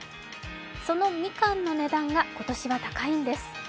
そのみかんの値段が今年は高いんです。